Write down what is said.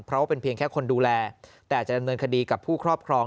เพราะว่าเป็นเพียงแค่คนดูแลแต่จะดำเนินคดีกับผู้ครอบครอง